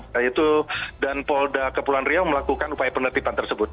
yaitu dan polda kepulauan riau melakukan upaya penertiban tersebut